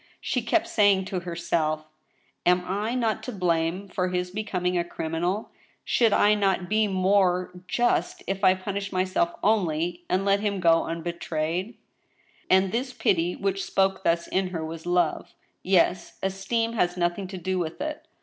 She kept saying, to her self: " Am I not to blame for his becoming a criminal ? Should I not be more just if I punished myself only, and let him go un betrayed ?!* And this pity which spoke thus in her was love ; yes, esteem has nothing to do with it.